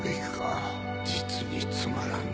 実につまらん字だ